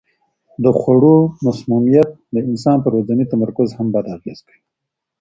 د خوړو مسمومیت د انسان پر ورځني تمرکز هم بد اغېز کوي.